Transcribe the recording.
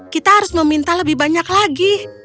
kita harus meminta lebih banyak lagi